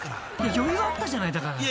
［余裕あったじゃないだから］